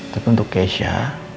tapi untuk keisha